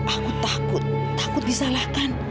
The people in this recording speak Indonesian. aku takut takut disalahkan